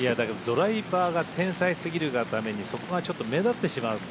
ドライバーが天才すぎるがためにそこがちょっと目立ってしまう。